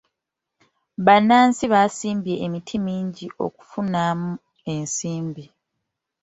Bannansi basimbye emiti mingi okufunamu ensimbi.